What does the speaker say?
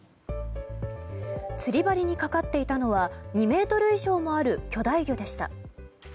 釣り針にかかっていたのは２ｍ以上もある巨大魚でした。